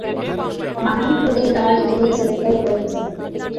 மனம் குழைந்தால் இனிய சொற்கள் தோன்றும்.